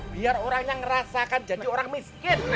biar orangnya ngerasakan jadi orang miskin